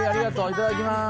いただきます。